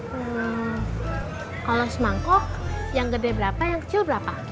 hmm kalau semangkok yang gede berapa yang kecil berapa